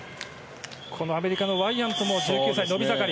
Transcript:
このアメリカのワイヤントも伸び盛り。